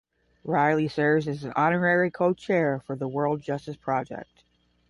Riley serves as an Honorary Co-Chair for the World Justice Project.